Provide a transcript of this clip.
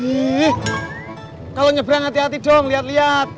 wih kalau nyebrang hati hati dong lihat lihat